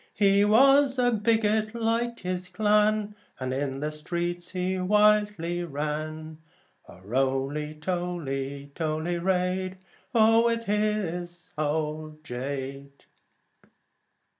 He was a bigot, like his clan, And in the streets he wildly sang, O Roly, toly, toly raid, with his old jade.